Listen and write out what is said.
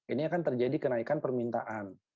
ini akan terjadi kenaikan permintaan